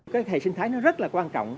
các hệ sinh thái nó rất là quan trọng